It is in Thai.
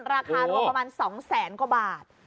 ราคารวมประมาณ๒แสนกว่าบาท